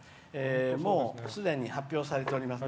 もうすでに発表されております。